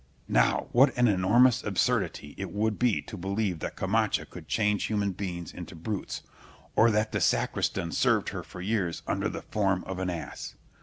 Now, what an enormous absurdity it would be to believe that Camacha could change human beings into brutes, or that the sacristan served her for years under the form of an ass.